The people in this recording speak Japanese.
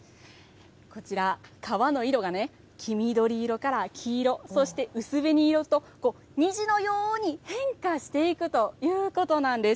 こちら、皮の色がね黄緑色から黄色そして、薄紅色と虹のように変化していくということなんです。